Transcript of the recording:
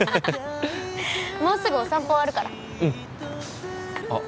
もうすぐお散歩終わるからうんあっ